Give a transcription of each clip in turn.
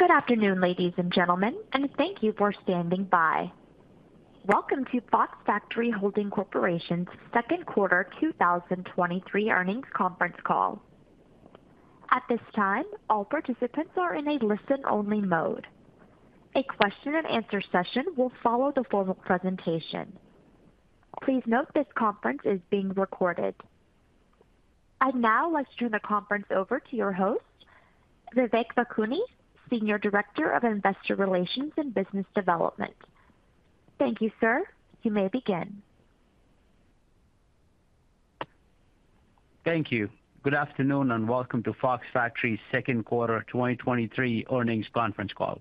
Good afternoon, ladies and gentlemen, and thank you for standing by. Welcome to Fox Factory Holding Corp.'s second quarter 2023 earnings conference call. At this time, all participants are in a listen-only mode. A question-and-answer session will follow the formal presentation. Please note this conference is being recorded. I'd now like to turn the conference over to your host, Vivek Vakkuni, Senior Director of Investor Relations and Business Development. Thank you, sir. You may begin. Thank you. Good afternoon, and welcome to Fox Factory's second quarter 2023 earnings conference call.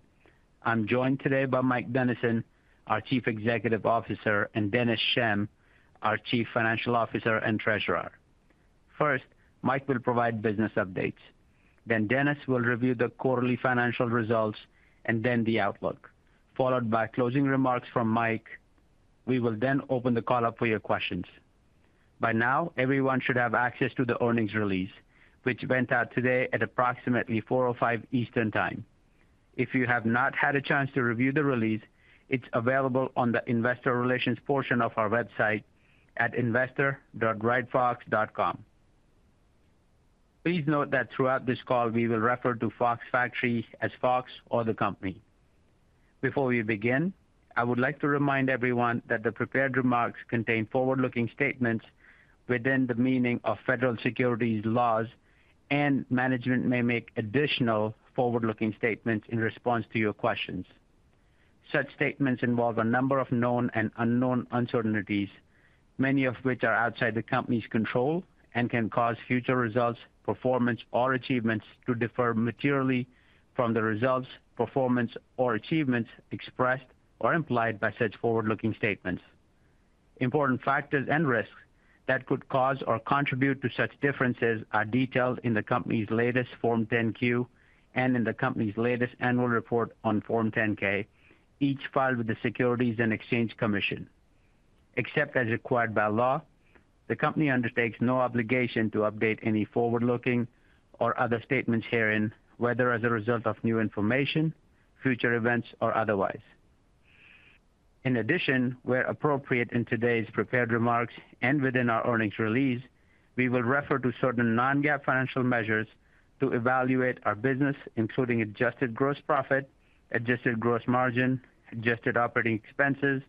I'm joined today by Mike Dennison, our Chief Executive Officer, and Dennis Schemm, our Chief Financial Officer and Treasurer. First, Mike will provide business updates. Dennis will review the quarterly financial results and then the outlook, followed by closing remarks from Mike. We will then open the call up for your questions. By now, everyone should have access to the earnings release, which went out today at approximately 4:05 P.M. Eastern Time. If you have not had a chance to review the release, it's available on the investor relations portion of our website at investor.ridefox.com. Please note that throughout this call, we will refer to Fox Factory as Fox or the company. Before we begin, I would like to remind everyone that the prepared remarks contain forward-looking statements within the meaning of federal securities laws. Management may make additional forward-looking statements in response to your questions. Such statements involve a number of known and unknown uncertainties, many of which are outside the company's control and can cause future results, performance, or achievements to differ materially from the results, performance, or achievements expressed or implied by such forward-looking statements. Important factors and risks that could cause or contribute to such differences are detailed in the company's latest Form 10-Q and in the company's latest annual report on Form 10-K, each filed with the Securities and Exchange Commission. Except as required by law, the company undertakes no obligation to update any forward-looking or other statements herein, whether as a result of new information, future events, or otherwise. In addition, where appropriate in today's prepared remarks and within our earnings release, we will refer to certain non-GAAP financial measures to evaluate our business, including adjusted gross profit, adjusted gross margin, adjusted operating expenses,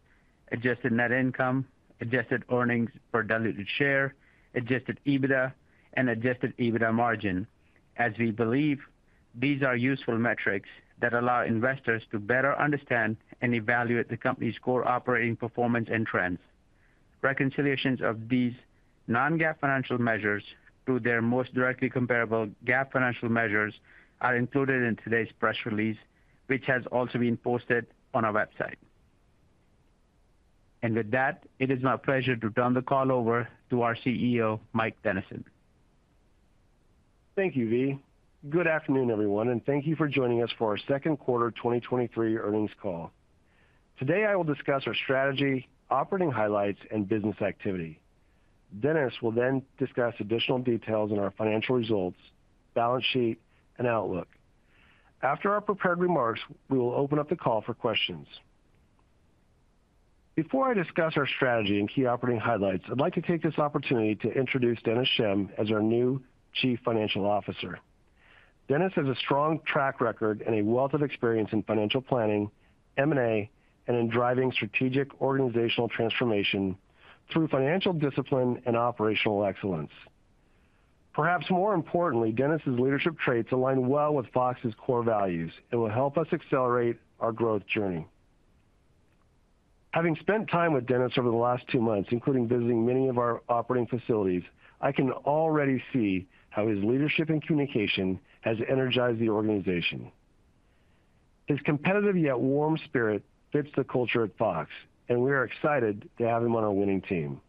adjusted net income, adjusted earnings per diluted share, adjusted EBITDA, and adjusted EBITDA margin, as we believe these are useful metrics that allow investors to better understand and evaluate the company's core operating performance and trends. Reconciliations of these non-GAAP financial measures to their most directly comparable GAAP financial measures are included in today's press release, which has also been posted on our website. With that, it is my pleasure to turn the call over to our CEO, Mike Dennison. Thank you, V. Good afternoon, everyone, and thank you for joining us for our second quarter 2023 earnings call. Today, I will discuss our strategy, operating highlights, and business activity. Dennis will then discuss additional details on our financial results, balance sheet, and outlook. After our prepared remarks, we will open up the call for questions. Before I discuss our strategy and key operating highlights, I'd like to take this opportunity to introduce Dennis Schemm as our new Chief Financial Officer. Dennis has a strong track record and a wealth of experience in financial planning, M&A, and in driving strategic organizational transformation through financial discipline and operational excellence. Perhaps more importantly, Dennis' leadership traits align well with Fox's core values and will help us accelerate our growth journey. Having spent time with Dennis over the last two months, including visiting many of our operating facilities, I can already see how his leadership and communication has energized the organization. His competitive yet warm spirit fits the culture at Fox, and we are excited to have him on our winning team.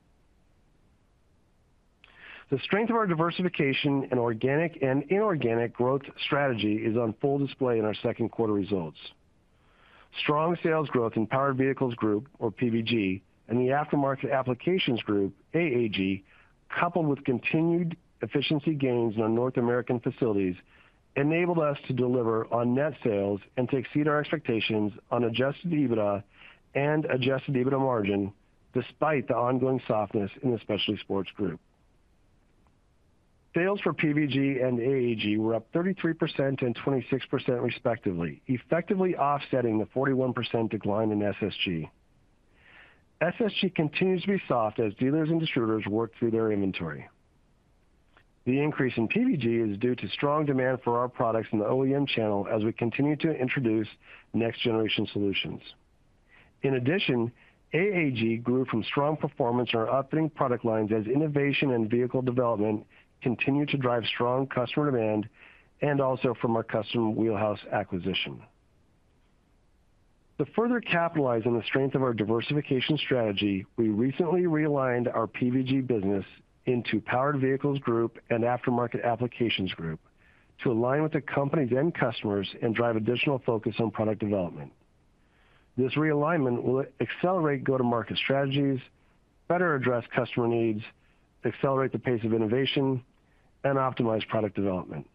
The strength of our diversification and organic and inorganic growth strategy is on full display in our second quarter results. Strong sales growth in Powered Vehicles Group, or PVG, and the Aftermarket Applications Group, AAG, coupled with continued efficiency gains in our North American facilities, enabled us to deliver on net sales and to exceed our expectations on adjusted EBITDA and adjusted EBITDA margin, despite the ongoing softness in the Specialty Sports Group. Sales for PVG and AAG were up 33% and 26%, respectively, effectively offsetting the 41% decline in SSG. SSG continues to be soft as dealers and distributors work through their inventory. The increase in PVG is due to strong demand for our products in the OEM channel as we continue to introduce next-generation solutions. In addition, AAG grew from strong performance in our upfitting product lines as innovation and vehicle development continued to drive strong customer demand and also from our Custom Wheel House acquisition. To further capitalize on the strength of our diversification strategy, we recently realigned our PVG business into Powered Vehicles Group and Aftermarket Applications Group to align with the company's end customers and drive additional focus on product development. This realignment will accelerate go-to-market strategies, better address customer needs, accelerate the pace of innovation, and optimize product development.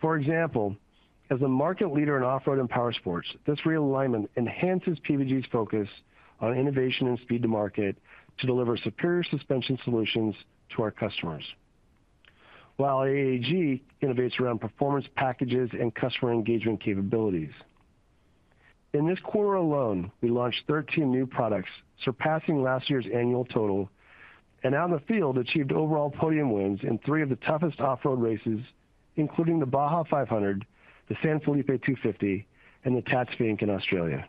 For example, as a market leader in off-road and powersports, this realignment enhances PVG's focus on innovation and speed to market to deliver superior suspension solutions to our customers, while AAG innovates around performance packages and customer engagement capabilities. In this quarter alone, we launched 13 new products, surpassing last year's annual total, and out in the field, achieved overall podium wins in three of the toughest off-road races, including the Baja 500, the San Felipe 250, and the Tatts Finke Desert Race in Australia.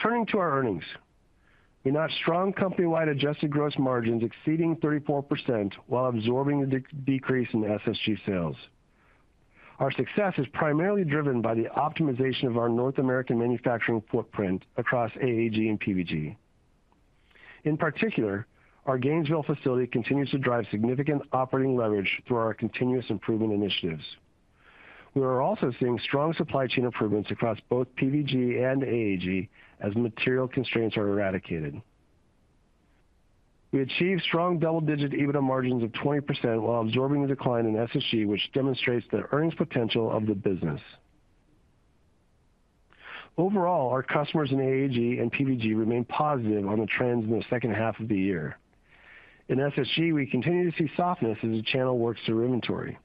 Turning to our earnings. We had strong company-wide adjusted gross margins exceeding 34%, while absorbing the decrease in SSG sales. Our success is primarily driven by the optimization of our North American manufacturing footprint across AAG and PVG. In particular, our Gainesville facility continues to drive significant operating leverage through our continuous improvement initiatives. We are also seeing strong supply chain improvements across both PVG and AAG as material constraints are eradicated. We achieved strong double-digit EBITDA margins of 20%, while absorbing the decline in SSG, which demonstrates the earnings potential of the business. Overall, our customers in AAG and PVG remain positive on the trends in the second half of the year. In SSG, we continue to see softness as the channel works through inventory.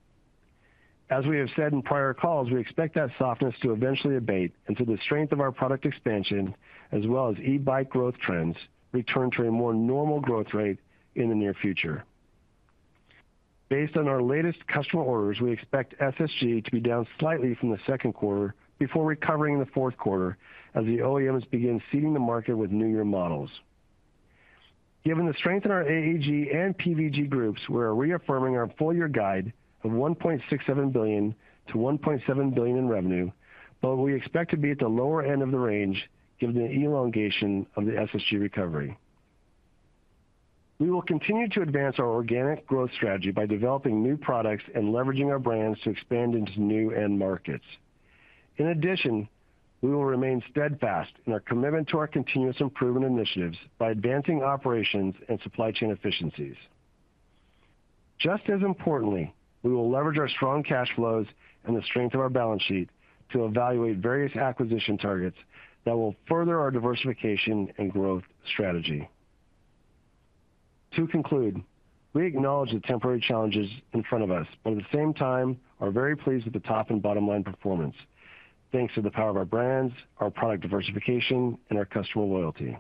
As we have said in prior calls, we expect that softness to eventually abate, and to the strength of our product expansion, as well as e-bike growth trends, return to a more normal growth rate in the near future. Based on our latest customer orders, we expect SSG to be down slightly from the second quarter before recovering in the fourth quarter as the OEMs begin seeding the market with new year models. Given the strength in our AAG and PVG groups, we are reaffirming our full year guide of $1.67 billion-$1.70 billion in revenue, but we expect to be at the lower end of the range given the elongation of the SSG recovery. We will continue to advance our organic growth strategy by developing new products and leveraging our brands to expand into new end markets. In addition, we will remain steadfast in our commitment to our continuous improvement initiatives by advancing operations and supply chain efficiencies. Just as importantly, we will leverage our strong cash flows and the strength of our balance sheet to evaluate various acquisition targets that will further our diversification and growth strategy. To conclude, we acknowledge the temporary challenges in front of us, but at the same time, are very pleased with the top and bottom line performance. Thanks to the power of our brands, our product diversification, and our customer loyalty.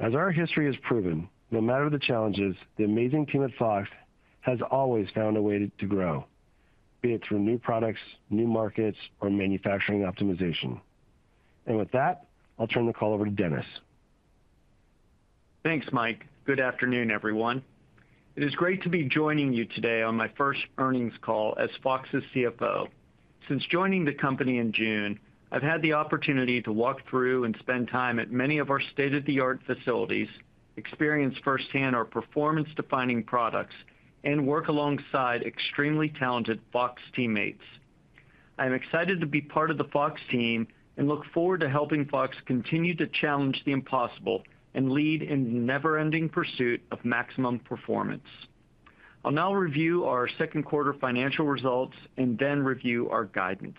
As our history has proven, no matter the challenges, the amazing team at Fox has always found a way to grow, be it through new products, new markets, or manufacturing optimization. With that, I'll turn the call over to Dennis. Thanks, Mike. Good afternoon, everyone. It is great to be joining you today on my first earnings call as Fox's CFO. Since joining the company in June, I've had the opportunity to walk through and spend time at many of our state-of-the-art facilities, experience firsthand our performance-defining products, and work alongside extremely talented Fox teammates. I'm excited to be part of the Fox team, and look forward to helping Fox continue to challenge the impossible and lead in the never-ending pursuit of maximum performance. I'll now review our second quarter financial results, then review our guidance.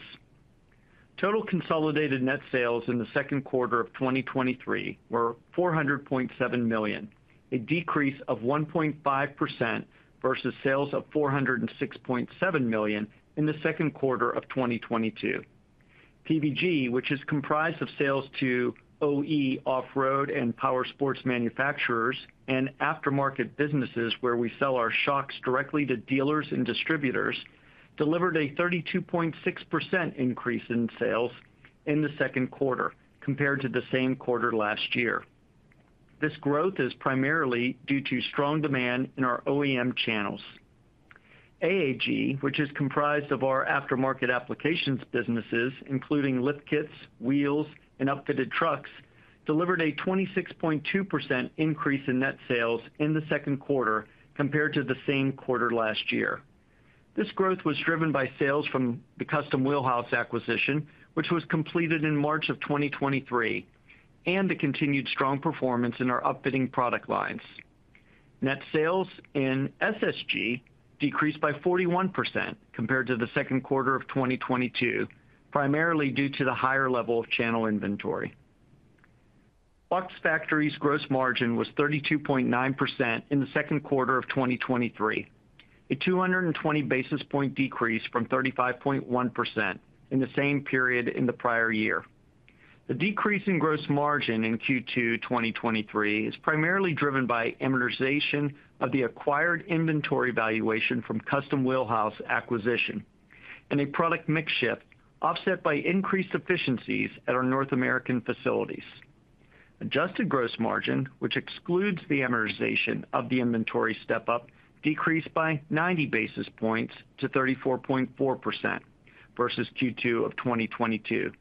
Total consolidated net sales in the second quarter of 2023 were $400.7 million, a decrease of 1.5% versus sales of $406.7 million in the second quarter of 2022. PVG, which is comprised of sales to OE, off-road, and powersports manufacturers and aftermarket businesses, where we sell our shocks directly to dealers and distributors, delivered a 32.6% increase in sales in the second quarter compared to the same quarter last year. This growth is primarily due to strong demand in our OEM channels. AAG, which is comprised of our aftermarket applications businesses, including lift kits, wheels, and upfitted trucks, delivered a 26.2% increase in net sales in the second quarter compared to the same quarter last year. This growth was driven by sales from the Custom Wheel House acquisition, which was completed in March of 2023, and the continued strong performance in our upfitting product lines. Net sales in SSG decreased by 41% compared to the second quarter of 2022, primarily due to the higher level of channel inventory. Fox Factory's gross margin was 32.9% in the second quarter of 2023, a 220 basis point decrease from 35.1% in the same period in the prior year. The decrease in gross margin in Q2 2023 is primarily driven by amortization of the acquired inventory valuation from Custom Wheel House acquisition, and a product mix shift offset by increased efficiencies at our North American facilities. Adjusted gross margin, which excludes the amortization of the inventory step up, decreased by 90 basis points to 34.4% versus Q2 2022,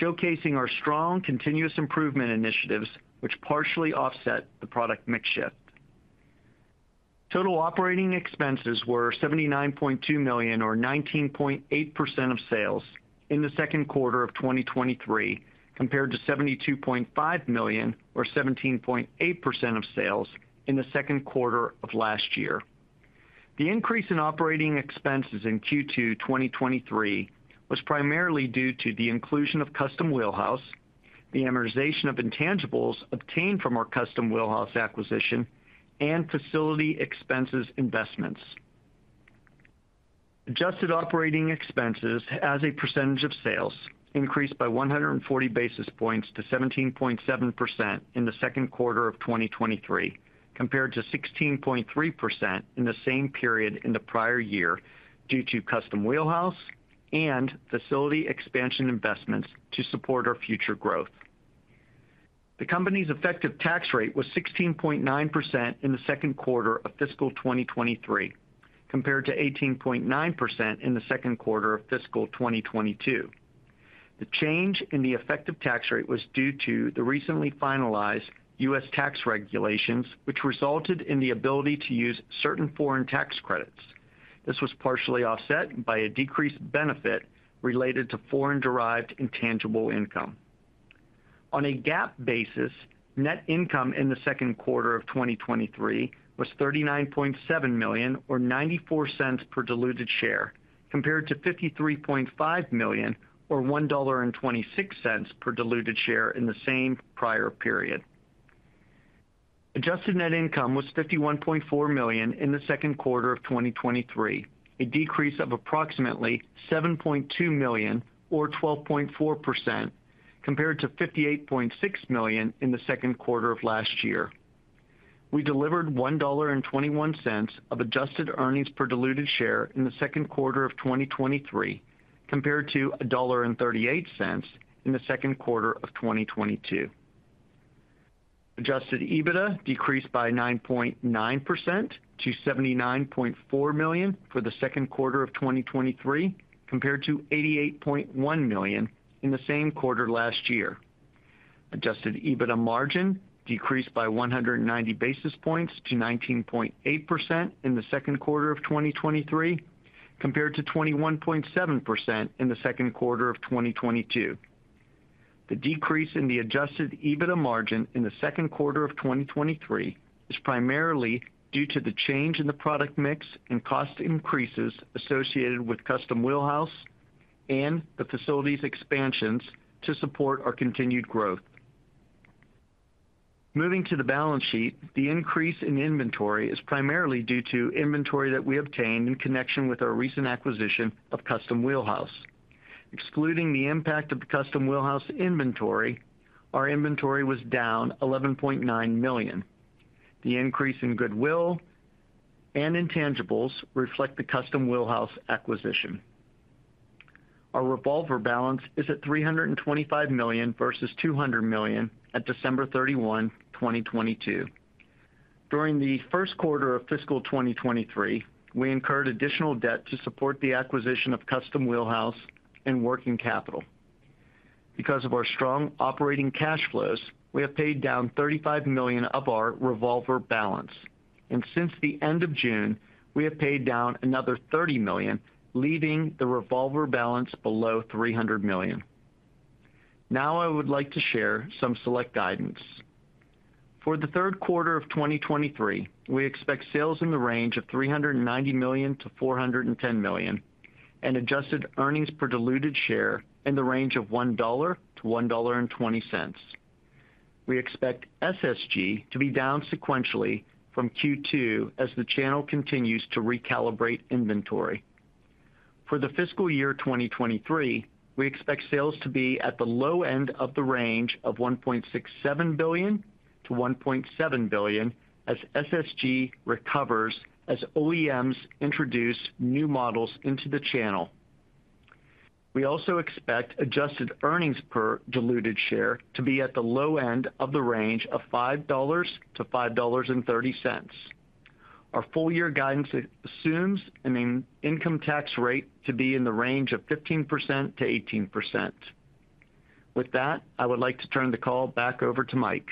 showcasing our strong continuous improvement initiatives, which partially offset the product mix shift. Total operating expenses were $79.2 million, or 19.8% of sales in the second quarter of 2023, compared to $72.5 million, or 17.8% of sales in the second quarter of last year. The increase in operating expenses in Q2 2023 was primarily due to the inclusion of Custom Wheel House, the amortization of intangibles obtained from our Custom Wheel House acquisition, and facility expenses investments. Adjusted operating expenses as a percentage of sales increased by 140 basis points to 17.7% in the second quarter of 2023, compared to 16.3% in the same period in the prior year, due to Custom Wheel House and facility expansion investments to support our future growth. The company's effective tax rate was 16.9% in the second quarter of fiscal 2023, compared to 18.9% in the second quarter of fiscal 2022. The change in the effective tax rate was due to the recently finalized US tax regulations, which resulted in the ability to use certain foreign tax credits. This was partially offset by a decreased benefit related to foreign-derived intangible income. On a GAAP basis, net income in the second quarter of 2023 was $39.7 million, or $0.94 per diluted share, compared to $53.5 million, or $1.26 per diluted share in the same prior period. Adjusted net income was $51.4 million in the second quarter of 2023, a decrease of approximately $7.2 million, or 12.4%, compared to $58.6 million in the second quarter of last year. We delivered $1.21 of adjusted earnings per diluted share in the second quarter of 2023, compared to $1.38 in the second quarter of 2022. Adjusted EBITDA decreased by 9.9% to $79.4 million for the second quarter of 2023, compared to $88.1 million in the same quarter last year. Adjusted EBITDA margin decreased by 190 basis points to 19.8% in the second quarter of 2023, compared to 21.7% in the second quarter of 2022. The decrease in the adjusted EBITDA margin in the second quarter of 2023 is primarily due to the change in the product mix and cost increases associated with Custom Wheel House and the facilities expansions to support our continued growth. Moving to the balance sheet, the increase in inventory is primarily due to inventory that we obtained in connection with our recent acquisition of Custom Wheel House. Excluding the impact of the Custom Wheel House inventory, our inventory was down $11.9 million. The increase in goodwill and intangibles reflect the Custom Wheel House acquisition. Our revolver balance is at $325 million versus $200 million at December 31, 2022. During the first quarter of fiscal 2023, we incurred additional debt to support the acquisition of Custom Wheel House and working capital. Because of our strong operating cash flows, we have paid down $35 million of our revolver balance, and since the end of June, we have paid down another $30 million, leaving the revolver balance below $300 million. Now I would like to share some select guidance. For the third quarter of 2023, we expect sales in the range of $390 million-$410 million, and adjusted earnings per diluted share in the range of $1.00-$1.20. We expect SSG to be down sequentially from Q2 as the channel continues to recalibrate inventory. For the fiscal year 2023, we expect sales to be at the low end of the range of $1.67 billion-$1.7 billion, as SSG recovers as OEMs introduce new models into the channel. We also expect adjusted earnings per diluted share to be at the low end of the range of $5-$5.30. Our full year guidance assumes an in-income tax rate to be in the range of 15%-18%. With that, I would like to turn the call back over to Mike.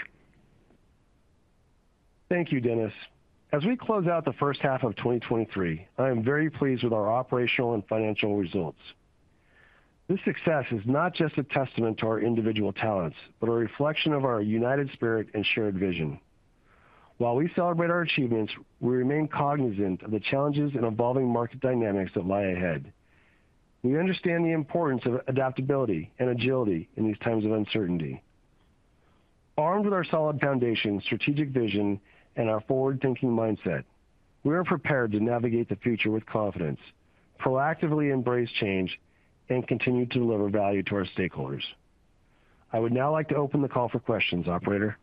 Thank you, Dennis. As we close out the first half of 2023, I am very pleased with our operational and financial results. This success is not just a testament to our individual talents, but a reflection of our united spirit and shared vision. While we celebrate our achievements, we remain cognizant of the challenges and evolving market dynamics that lie ahead. We understand the importance of adaptability and agility in these times of uncertainty. Armed with our solid foundation, strategic vision, and our forward-thinking mindset, we are prepared to navigate the future with confidence, proactively embrace change, and continue to deliver value to our stakeholders. I would now like to open the call for questions. Operator?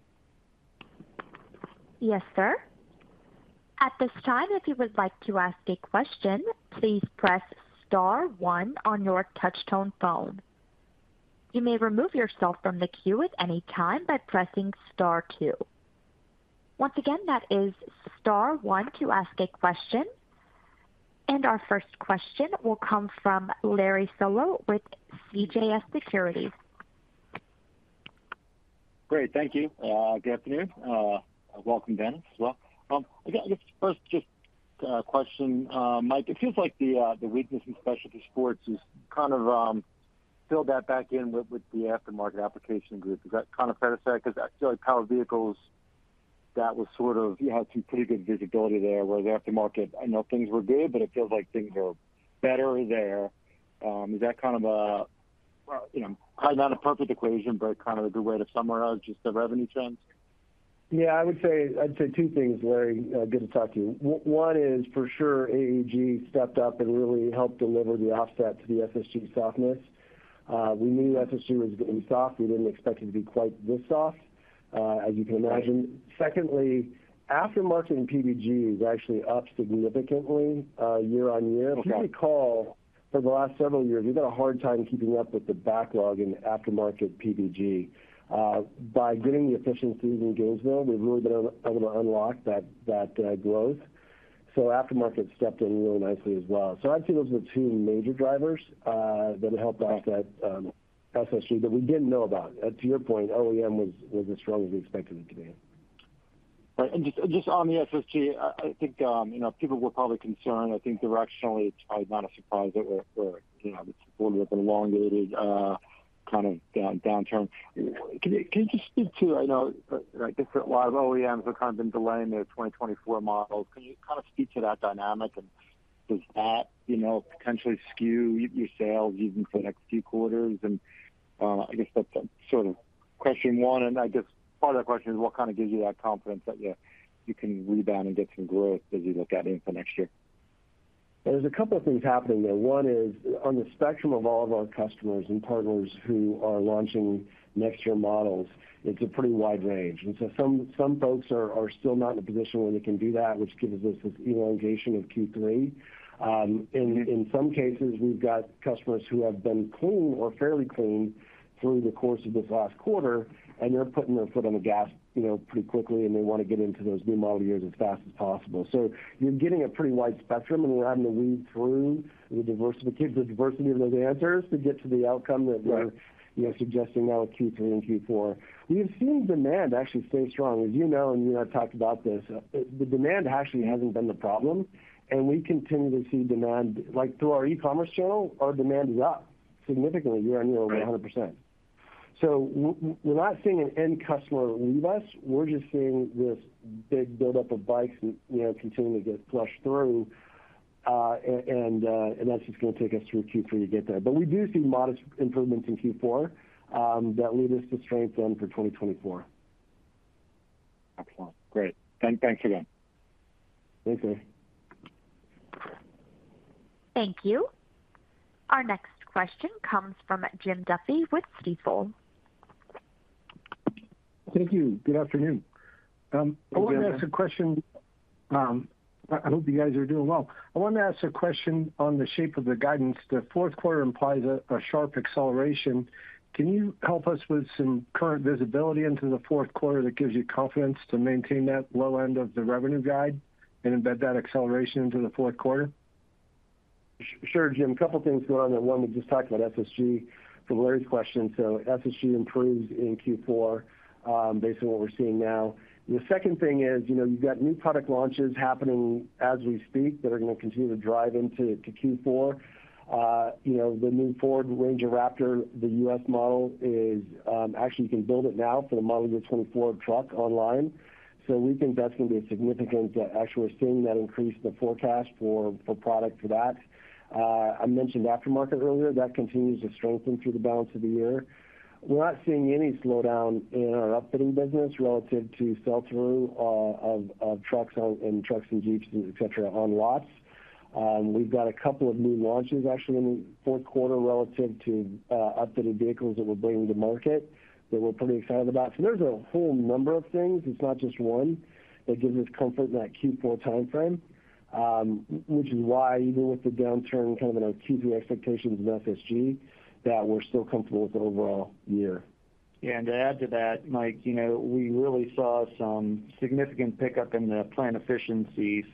Yes, sir. At this time, if you would like to ask a question, please press star one on your touchtone phone. You may remove yourself from the queue at any time by pressing star two. Once again, that is star one to ask a question. Our first question will come from Larry Solow with CJS Securities. Great. Thank you. good afternoon, welcome, Dennis, as well. I guess, first, just a question, Mike, it feels like the weakness in Specialty Sports is kind of filled that back in with, with the Aftermarket Applications Group. Is that kind of fair to say? Because I feel like Powered Vehicles, that was sort of, you had some pretty good visibility there, where the aftermarket, I know things were good, but it feels like things are better there. Is that kind of a, you know, probably not a perfect equation, but kind of a good way to summarize just the revenue trends? Yeah, I would say, I'd say two things, Larry. Good to talk to you. One is for sure, AAG stepped up and really helped deliver the offset to the SSG softness. We knew SSG was getting soft. We didn't expect it to be quite this soft, as you can imagine. Right. Secondly, aftermarket and PVG is actually up significantly, year on year. Okay. If you recall, for the last several years, we've had a hard time keeping up with the backlog in aftermarket PVG. By getting the efficiencies in Gainesville, we've really been able to unlock that, that growth. Aftermarket stepped in really nicely as well. I'd say those are the two major drivers that helped offset- Got it.... SSG that we didn't know about. As to your point, OEM was as strong as we expected it to be. Right. Just, just on the SSG, I think, you know, people were probably concerned. I think directionally, it's probably not a surprise that we're, you know, supported with an elongated, kind of down, downturn. Can you just speak to... I know, like, different lot of OEMs have kind of been delaying their 2024 models. Can you kind of speak to that dynamic, and does that, you know, potentially skew your sales even for the next few quarters? I guess that's sort of question one, and I guess part of the question is, what kind of gives you that confidence that, yeah, you can rebound and get some growth as you look out into next year? There's a couple of things happening there. One is, on the spectrum of all of our customers and partners who are launching next year models, it's a pretty wide range. Some, some folks are, are still not in a position where they can do that, which gives us this elongation of Q3. In, in some cases, we've got customers who have been clean or fairly clean through the course of this last quarter, and they're putting their foot on the gas, you know, pretty quickly, and they want to get into those new model years as fast as possible. You're getting a pretty wide spectrum, and we're having to read through the diversity, the diversity of those answers to get to the outcome that we're- Right... you know, suggesting now with Q3 and Q4. We have seen demand actually stay strong. As you know, and you and I have talked about this, the demand actually hasn't been the problem, and we continue to see demand. Like, through our e-commerce channel, our demand is up significantly, year-on-year over 100%. Right. We're not seeing an end customer leave us, we're just seeing this big buildup of bikes, you know, continuing to get flushed through. That's just going to take us through Q3 to get there. We do see modest improvements in Q4 that lead us to strengthen for 2024. Excellent. Great. thanks again. Thank you. Thank you. Our next question comes from Jim Duffy with Stifel. Thank you. Good afternoon. Good afternoon. I wanted to ask a question. I hope you guys are doing well. I wanted to ask a question on the shape of the guidance. The fourth quarter implies a sharp acceleration. Can you help us with some current visibility into the fourth quarter that gives you confidence to maintain that low end of the revenue guide and embed that acceleration into the fourth quarter? Sure, Jim. A couple things going on there. One, we just talked about SSG for Larry's question. SSG improves in Q4, based on what we're seeing now. The second thing is, you know, you've got new product launches happening as we speak that are gonna continue to drive into Q4. You know, the new Ford Ranger Raptor, the U.S. model, is, actually you can build it now for the model year 2024 truck online. We think that's going to be a significant-- Actually, we're seeing that increase the forecast for product for that. I mentioned aftermarket earlier. That continues to strengthen through the balance of the year. We're not seeing any slowdown in our upfitting business relative to sell-through of trucks and Jeeps, et cetera, on lots. We've got a couple of new launches actually in the fourth quarter relative to updated vehicles that we're bringing to market, that we're pretty excited about. There's a whole number of things, it's not just one, that gives us comfort in that Q4 timeframe. Which is why even with the downturn, kind of in our Q2 expectations with SSG, that we're still comfortable with the overall year. Yeah, to add to that, Mike, you know, we really saw some significant pickup in the plan efficiencies,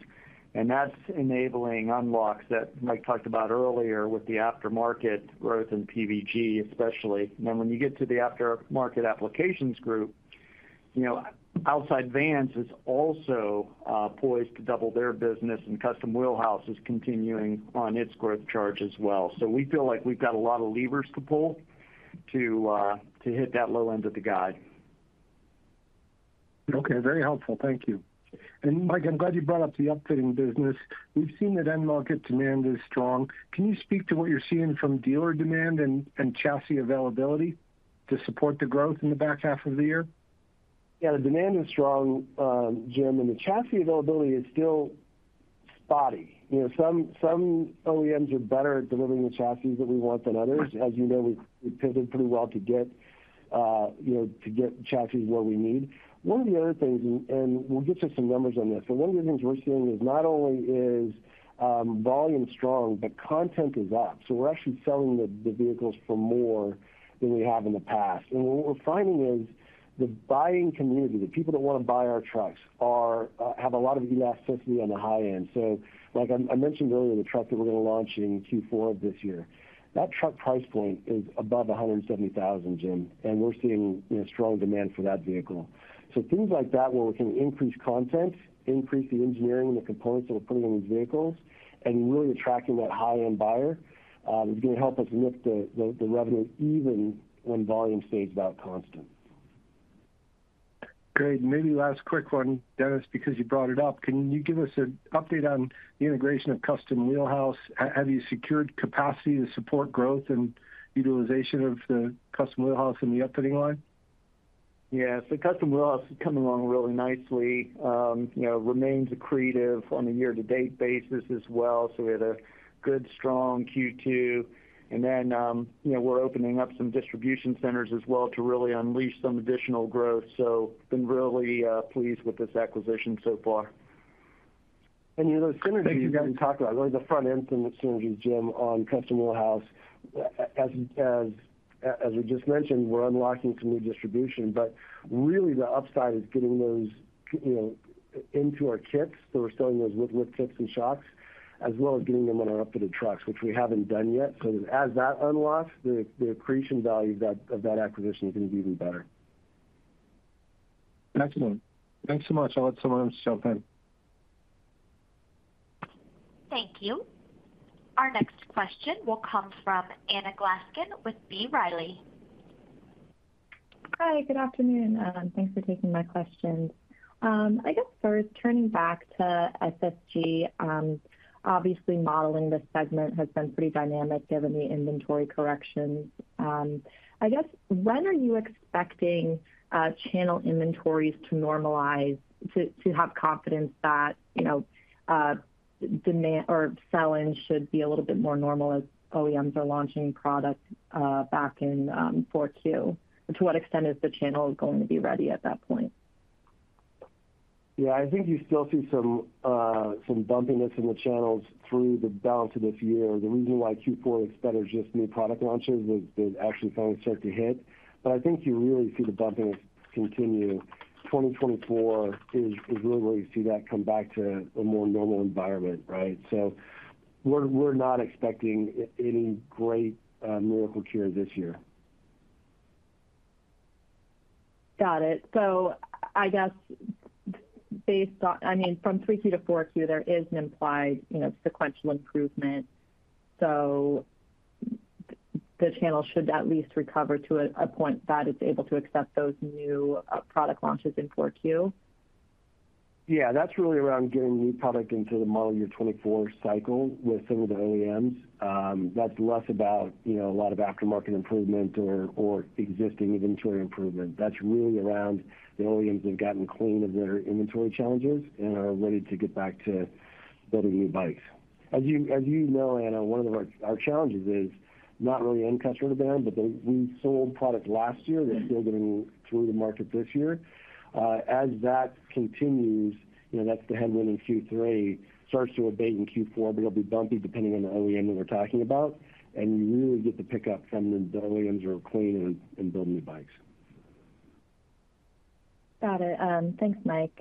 and that's enabling unlocks that Mike talked about earlier with the aftermarket growth in PVG, especially. When you get to the Aftermarket Applications Group, you know, Outside Van is also poised to double their business. Custom Wheel House is continuing on its growth charge as well. We feel like we've got a lot of levers to pull to hit that low end of the guide. Okay, very helpful. Thank you. Mike, I'm glad you brought up the upfitting business. We've seen that end market demand is strong. Can you speak to what you're seeing from dealer demand and, and chassis availability to support the growth in the back half of the year? Yeah, the demand is strong, Jim. The chassis availability is still spotty. You know, some OEMs are better at delivering the chassis that we want than others. Right. As you know, we, we pivoted pretty well to get, you know, to get chassis where we need. One of the other things, we'll get to some numbers on this, but one of the things we're seeing is not only volume is strong, but content is up. We're actually selling the, the vehicles for more than we have in the past. What we're finding is the buying community, the people that wanna buy our trucks, are, have a lot of elasticity on the high end. Like I, I mentioned earlier, the truck that we're gonna launch in Q4 of this year, that truck price point is above $170,000, Jim, and we're seeing, you know, strong demand for that vehicle. Things like that, where we can increase content, increase the engineering and the components that we're putting in these vehicles, and really attracting that high-end buyer, is gonna help us lift the, the, the revenue even when volume stays about constant. Great. Maybe last quick one, Dennis, because you brought it up. Can you give us an update on the integration of Custom Wheel House? Have you secured capacity to support growth and utilization of the Custom Wheel House in the upfitting line? Yeah. Custom Wheel House is coming along really nicely. You know, remains accretive on a year-to-date basis as well. We had a good, strong Q2, and then, you know, we're opening up some distribution centers as well to really unleash some additional growth. Been really pleased with this acquisition so far. You know, the synergies we talked about, really the front end from the synergies, Jim, on Custom Wheel House. As we just mentioned, we're unlocking some new distribution, but really the upside is getting those, you know, into our kits. We're selling those lift with kits and shocks, as well as getting them on our upfitted trucks, which we haven't done yet. As that unlocks, the, the accretion value of that, of that acquisition is gonna be even better. Excellent. Thanks so much. I'll let someone else jump in. Thank you. Our next question will come from Anna Glaessgen with B. Riley. Hi, good afternoon, thanks for taking my questions. I guess first, turning back to SSG, obviously modeling this segment has been pretty dynamic given the inventory corrections. I guess, when are you expecting channel inventories to normalize, to have confidence that, you know, demand or sell-in should be a little bit more normal as OEMs are launching products back in four Q? To what extent is the channel going to be ready at that point? Yeah, I think you still see some, some bumpiness in the channels through the balance of this year. The reason why Q4 is better is just new product launches, which they've actually finally start to hit. I think you really see the bumpiness continue. 2024 is really where you see that come back to a more normal environment, right? We're, we're not expecting any great, miracle cure this year. Got it. I guess, based on, I mean, from three Q to four Q, there is an implied, you know, sequential improvement. The channel should at least recover to a point that it's able to accept those new product launches in four Q? Yeah, that's really around getting new product into the model year 24 cycle with some of the OEMs. That's less about, you know, a lot of aftermarket improvement or, or existing inventory improvement. That's really around the OEMs have gotten clean of their inventory challenges and are ready to get back to building new bikes. As you, as you know, Anna, one of our, our challenges is not really incustodied them, but they-- we sold product last year, they're still getting through the market this year. As that continues, you know, that's the headwind in Q3, starts to abate in Q4, but it'll be bumpy depending on the OEM that we're talking about. You really get the pickup from the OEMs are clean and, and building new bikes. Got it. Thanks, Mike.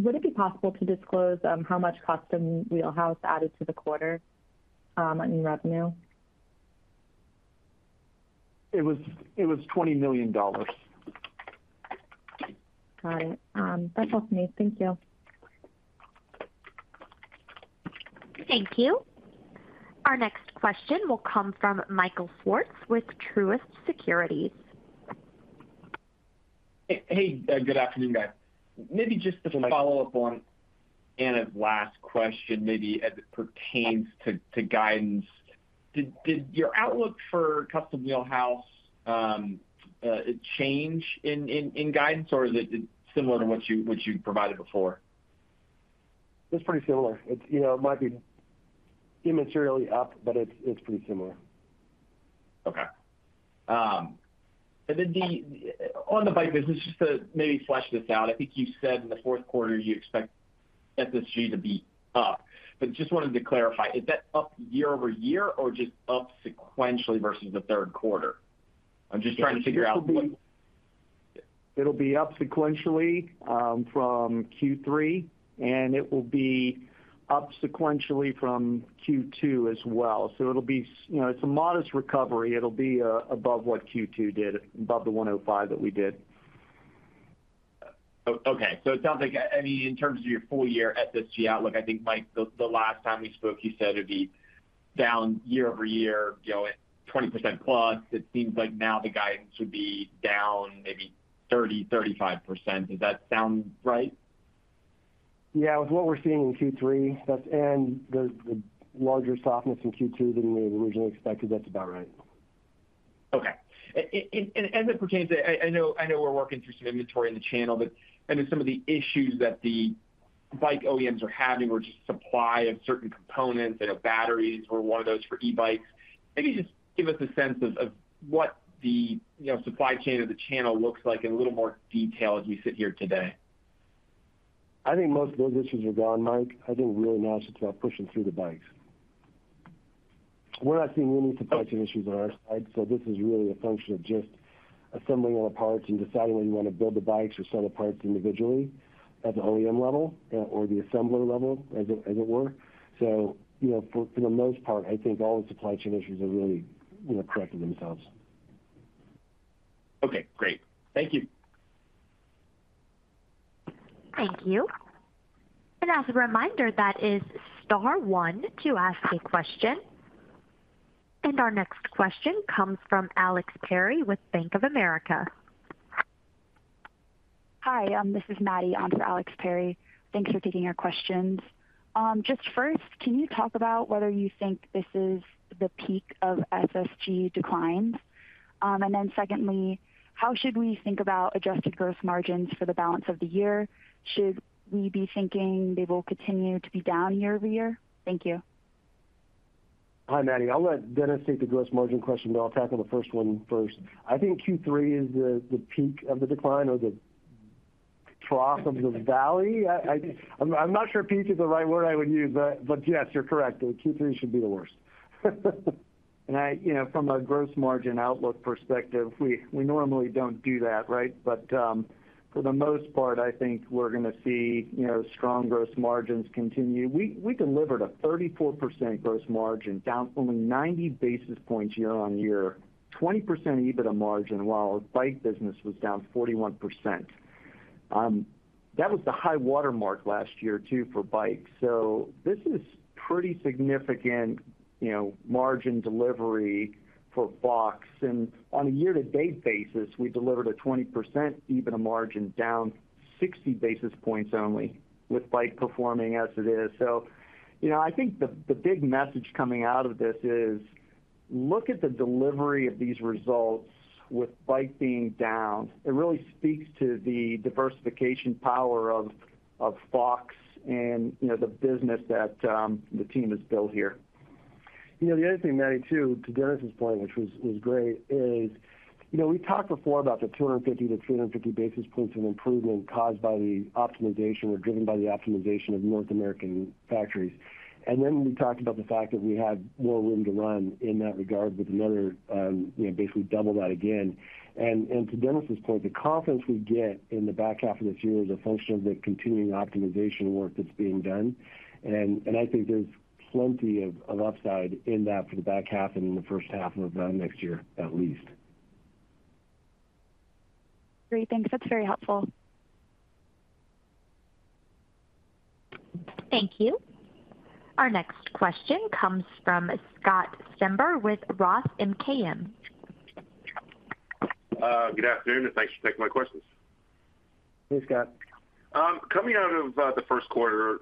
Would it be possible to disclose how much Custom Wheel House added to the quarter, on new revenue? It was $20 million. Got it. That's all for me. Thank you. Thank you. Our next question will come from Michael Swartz, with Truist Securities. Hey, good afternoon, guys. Maybe just to follow up on Anna's last question, maybe as it pertains to guidance. Did your outlook for Custom Wheel House change in guidance, or is it similar to what you provided before? It's pretty similar. It's, you know, it might be immaterially up, but it's, it's pretty similar. Okay. On the bike business, just to maybe flesh this out, I think you said in the fourth quarter you expect SSG to be up, but just wanted to clarify, is that up year-over-year or just up sequentially versus the third quarter? I'm just trying to figure out. It'll be up sequentially from Q3, and it will be up sequentially from Q2 as well. It'll be you know, it's a modest recovery. It'll be above what Q2 did, above the 105 that we did. Okay, it sounds like, I mean, in terms of your full year SSG outlook, I think, Mike, the, the last time we spoke, you said it'd be down year-over-year, you know, at 20%+. It seems like now the guidance would be down maybe 30%-35%. Does that sound right? Yeah, with what we're seeing in Q3, and the larger softness in Q2 than we had originally expected, that's about right. Okay. And as it pertains to, I know, I know we're working through some inventory in the channel, but I mean, some of the issues that the bike OEMs are having, or just supply of certain components, I know batteries were one of those for e-bikes. Maybe just give us a sense of what the, you know, supply chain of the channel looks like in a little more detail as we sit here today? I think most of those issues are gone, Mike. I think really now it's about pushing through the bikes. We're not seeing any supply chain issues on our side, this is really a function of just assembling all the parts and deciding whether you want to build the bikes or sell the parts individually at the OEM level, or the assembler level, as it, as it were. You know, for the most part, I think all the supply chain issues are really, you know, correcting themselves. Okay, great. Thank you. Thank you. As a reminder, that is star 1 to ask a question. Our next question comes from Alex Perry with Bank of America. Hi, this is Maddie on for Alex Perry. Thanks for taking our questions. Just first, can you talk about whether you think this is the peak of SSG declines? Secondly, how should we think about adjusted gross margins for the balance of the year? Should we be thinking they will continue to be down year-over-year? Thank you. Hi, Maddie. I'll let Dennis take the gross margin question, but I'll tackle the first one first. I think Q3 is the, the peak of the decline or the trough of the valley. I, I, I'm not sure peak is the right word I would use, but, but yes, you're correct, Q3 should be the worst. You know, from a gross margin outlook perspective, we, we normally don't do that, right? For the most part, I think we're going to see, you know, strong gross margins continue. We, we delivered a 34% gross margin, down only 90 basis points year on year, 20% EBITDA margin, while our bike business was down 41%. That was the high watermark last year, too, for bikes. This is pretty significant, you know, margin delivery for Fox. On a year-to-date basis, we delivered a 20% EBITDA margin, down 60 basis points only, with bike performing as it is. You know, I think the, the big message coming out of this is: look at the delivery of these results with bike being down. It really speaks to the diversification power of, of Fox and, you know, the business that the team has built here. You know, the other thing, Maddie, too, to Dennis's point, which was, was great, is, you know, we talked before about the 250 to 350 basis points of improvement caused by the optimization or driven by the optimization of North American factories. We talked about the fact that we had more room to run in that regard with another, you know, basically double that again. To Dennis's point, the confidence we get in the back half of this year is a function of the continuing optimization work that's being done. I think there's plenty of, of upside in that for the back half and in the first half of next year, at least. Great, thanks. That's very helpful. Thank you. Our next question comes from Scott Stember with Roth MKM. Good afternoon, thanks for taking my questions. Hey, Scott. Coming out of the first quarter,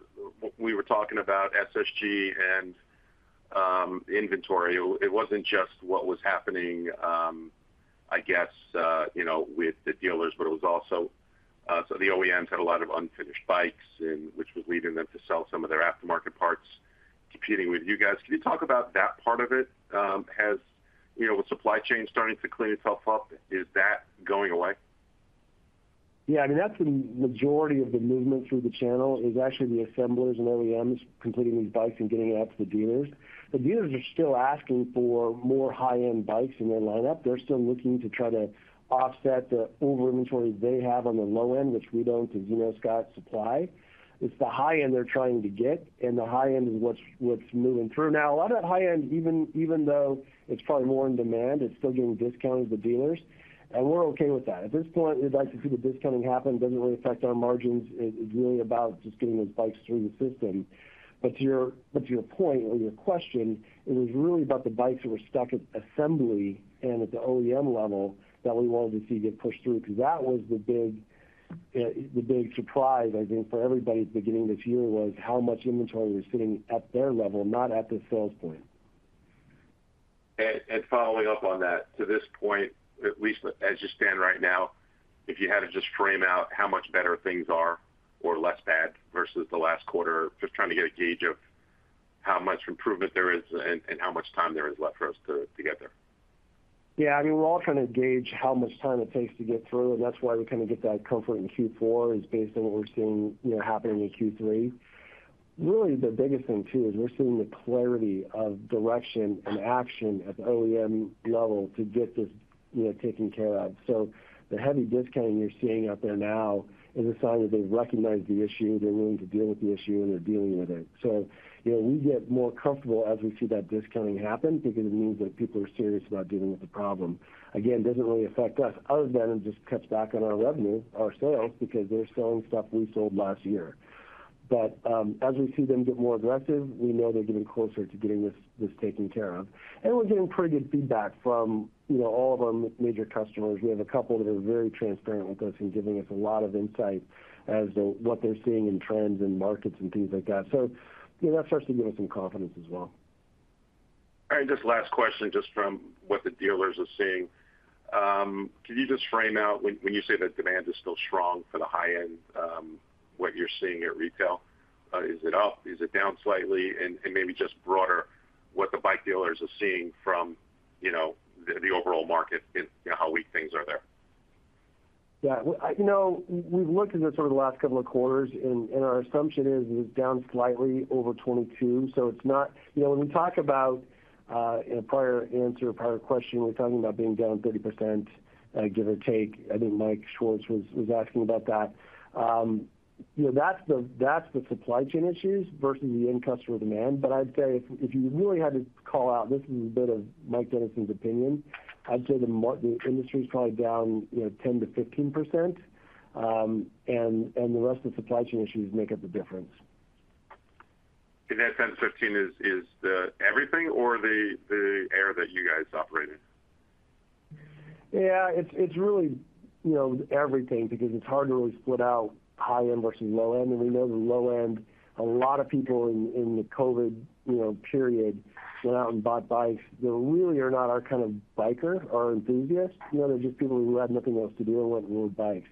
we were talking about SSG and inventory. It wasn't just what was happening, I guess, you know, with the dealers, but it was also, so the OEMs had a lot of unfinished bikes, and which was leading them to sell some of their aftermarket parts competing with you guys. Can you talk about that part of it? Has, you know, with supply chain starting to clear itself up, is that going away? Yeah, I mean, that's the majority of the movement through the channel, is actually the assemblers and OEMs completing these bikes and getting it out to the dealers. The dealers are still asking for more high-end bikes in their lineup. They're still looking to try to offset the overinventory they have on the low end, which we don't, as you know, Scott, supply. It's the high end they're trying to get, and the high end is what's, what's moving through. Now, a lot of that high end, even, even though it's probably more in demand, it's still getting discounted to dealers, and we're okay with that. At this point, we'd like to see the discounting happen. It doesn't really affect our margins. It, it's really about just getting those bikes through the system. To your point or your question, it was really about the bikes that were stuck at assembly and at the OEM level that we wanted to see get pushed through. That was the big, the big surprise, I think, for everybody at the beginning of this year, was how much inventory was sitting at their level, not at the sales point. Following up on that, to this point, at least as you stand right now, if you had to just frame out how much better things are or less bad versus the last quarter, just trying to get a gauge of how much improvement there is and how much time there is left for us to get there? Yeah, I mean, we're all trying to gauge how much time it takes to get through, and that's why we kind of get that comfort in Q4 is based on what we're seeing, you know, happening in Q3. Really, the biggest thing, too, is we're seeing the clarity of direction and action at the OEM level to get this, you know, taken care of. The heavy discounting you're seeing out there now is a sign that they recognize the issue, they're willing to deal with the issue, and they're dealing with it. You know, we get more comfortable as we see that discounting happen because it means that people are serious about dealing with the problem. Again, it doesn't really affect us other than it just cuts back on our revenue, our sales, because they're selling stuff we sold last year. As we see them get more aggressive, we know they're getting closer to getting this, this taken care of. We're getting pretty good feedback from, you know, all of our major customers. We have a couple that are very transparent with us and giving us a lot of insight as to what they're seeing in trends and markets and things like that. You know, that starts to give us some confidence as well. All right, just last question, just from what the dealers are seeing. Can you just frame out, when, when you say that demand is still strong for the high end, what you're seeing at retail? Is it up? Is it down slightly? Maybe just broader, what the bike dealers are seeing from, you know, the, the overall market and, you know, how weak things are there. Yeah, well, I, you know, we've looked at it sort of the last couple of quarters, and, and our assumption is, is down slightly over 2022. It's not-- You know, when we talk about, in a prior answer or prior question, we were talking about being down 30%, give or take. I think Mike Swartz was, was asking about that. You know, that's the, that's the supply chain issues versus the end customer demand. I'd say if, if you really had to call out, this is a bit of Mike Dennison's opinion, I'd say the industry is probably down, you know, 10%-15%, and, and the rest of the supply chain issues make up the difference. In that 10-15 is the everything or the area that you guys operate in? Yeah, it's, it's really, you know, everything, because it's hard to really split out high end versus low end. We know the low end, a lot of people in, in the COVID, you know, period, went out and bought bikes that really are not our kind of biker or enthusiast. You know, they're just people who had nothing else to do and went and rode bikes.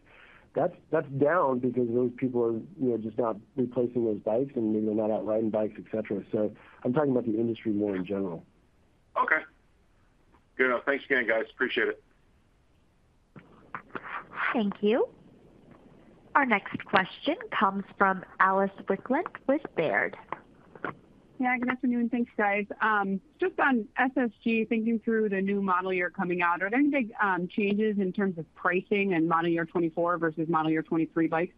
That's, that's down because those people are, you know, just not replacing those bikes and maybe they're not out riding bikes, et cetera. I'm talking about the industry more in general. Okay. Good enough. Thanks again, guys. Appreciate it. Thank you. Our next question comes from Alice Wycklendt with Baird. Yeah, good afternoon, and thanks, guys. Just on SSG, thinking through the new model year coming out, are there any big changes in terms of pricing and model year 2024 versus model year 2023 bikes?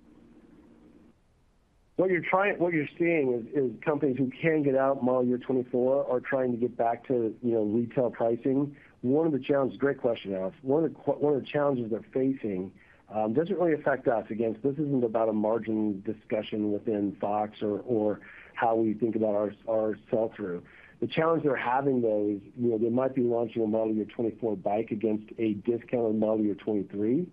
What you're seeing is companies who can get out model year 2024 are trying to get back to, you know, retail pricing. One of the challenges... Great question, Alice. One of the challenges they're facing doesn't really affect us. Again, this isn't about a margin discussion within Fox or how we think about our sell-through. The challenge they're having, though, is, you know, they might be launching a model year 2024 bike against a discounted model year 2023.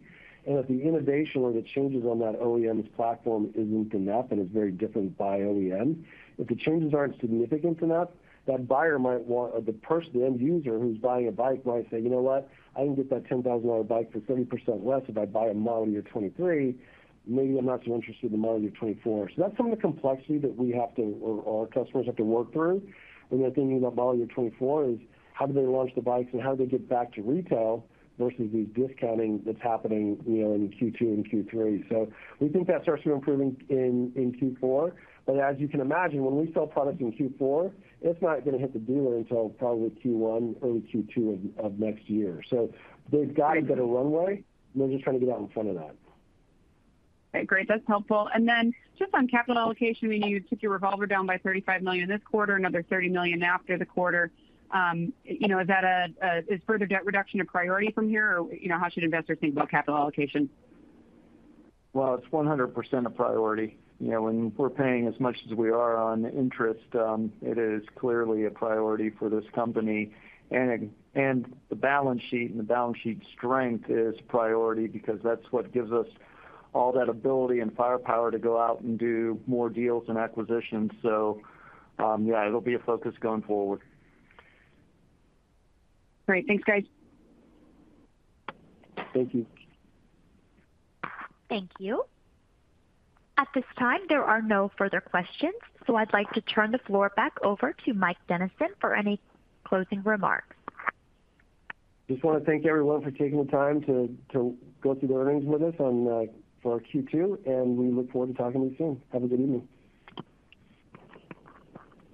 If the innovation or the changes on that OEM's platform isn't enough, and it's very different by OEM, if the changes aren't significant enough, that buyer might want... or the person, the end user who's buying a bike might say: "You know what? I can get that $10,000 bike for 30% less if I buy a model year 2023. Maybe I'm not so interested in the model year 2024. That's some of the complexity that we have to, or our customers have to work through when they're thinking about model year 2024, is how do they launch the bikes and how do they get back to retail versus the discounting that's happening, you know, in Q2 and Q3. We think that starts to improve in, in Q4. As you can imagine, when we sell products in Q4, it's not going to hit the dealer until probably Q1 or Q2 of, of next year. They've got a better runway. They're just trying to get out in front of that. Okay, great. That's helpful. Then just on capital allocation, we know you took your revolver down by $35 million this quarter, another $30 million after the quarter. You know, is that Is further debt reduction a priority from here, or, you know, how should investors think about capital allocation? Well, it's 100% a priority. You know, when we're paying as much as we are on interest, it is clearly a priority for this company. The balance sheet and the balance sheet strength is priority because that's what gives us all that ability and firepower to go out and do more deals and acquisitions. Yeah, it'll be a focus going forward. Great. Thanks, guys. Thank you. Thank you. At this time, there are no further questions, so I'd like to turn the floor back over to Mike Dennison for any closing remarks. Just want to thank everyone for taking the time to go through the earnings with us on for our Q2. We look forward to talking with you soon. Have a good evening.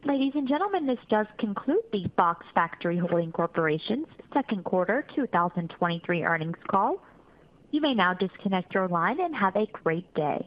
Ladies and gentlemen, this does conclude the Fox Factory Holding Corporation's second quarter 2023 earnings call. You may now disconnect your line and have a great day.